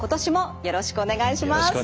よろしくお願いします。